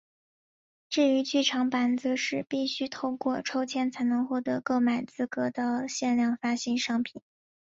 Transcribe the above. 至于剧场版则是必须透过抽签才能获得购买资格的限量发行商品。